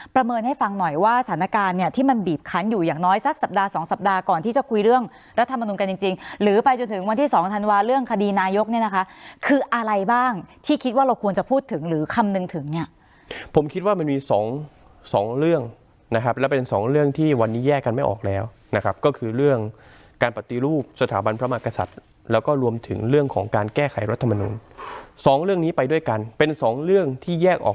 ประเมินให้ฟังหน่อยว่าสถานการณ์เนี้ยที่มันบีบคันอยู่อย่างน้อยสักสัปดาห์สองสัปดาห์ก่อนที่จะคุยเรื่องรัฐมนุนกันจริงจริงหรือไปจนถึงวันที่สองธันวาค์เรื่องคดีนายกเนี้ยนะคะคืออะไรบ้างที่คิดว่าเราควรจะพูดถึงหรือคำนึงถึงเนี้ยผมคิดว่ามันมีสองสองเรื่องนะครับแล้วเป็นสองเรื่องที่วันนี้แย